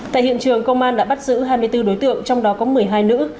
tại hiện trường công an đã bắt giữ hai mươi bốn đối tượng trong đó có một mươi hai nữ